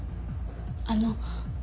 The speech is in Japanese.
あの。